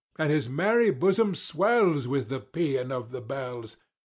And his merry bosom swells With the pæan of the bells!